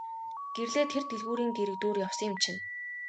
Гэрлээ тэр дэлгүүрийн дэргэдүүр явсан юм чинь.